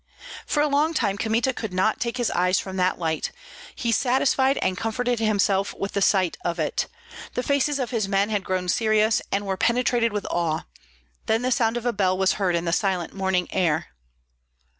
For a long time Kmita could not take his eyes from that light; he satisfied and comforted himself with the sight of it. The faces of his men had grown serious, and were penetrated with awe. Then the sound of a bell was heard in the silent morning air.